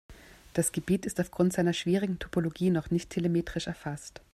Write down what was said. Das Gebiet ist aufgrund seiner schwierigen Topologie noch nicht telemetrisch erfasst.